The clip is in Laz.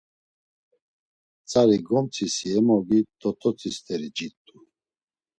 Tzari gomtzisi emogi t̆ot̆otzi st̆eri cit̆u.